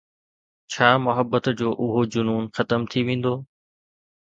ڇا محبت جو اهو جنون ختم ٿي ويندو؟